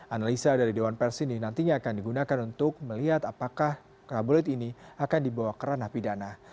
analisa dari dewan pers ini nantinya akan digunakan untuk melihat apakah tabloid ini akan dibawa ke ranah pidana